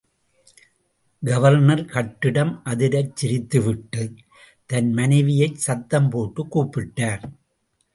Governor கட்டிடம் அதிரச் சிரித்துவிட்டுத் தன் மனைவியைச் சத்தம் போட்டுக் கூப்பிட்டார்.